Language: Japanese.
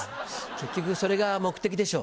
結局それが目的でしょ？